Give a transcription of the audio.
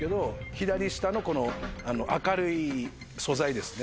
左下の明るい素材ですね。